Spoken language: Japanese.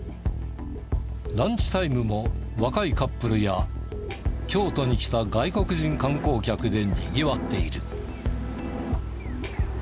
ランチタイムも若いカップルや京都に来た外国人観光客でにぎわっている。